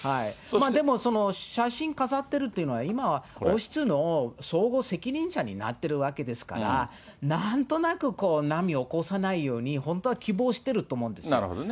でも、写真飾ってるっていうのは、今は王室の総合責任者になってるわけですから、なんとなく波を起こさないように、本当は希望してると思うんですよ。